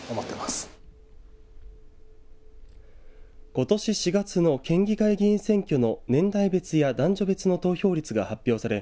ことし４月の県議会議員選挙の年代別や男女別の投票率が発表され